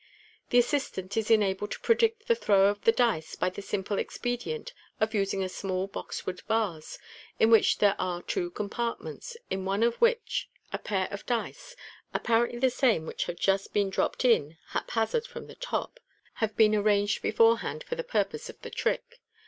The assistant is enabled to predict the throw of the dice by the simple expedient of using a small boxwood vase, in which there are two compartments, in one of which a pair of dice (apparently the same which have just been dropped in haphazard from the top) have been arranged beforehand for the purpose of the trick.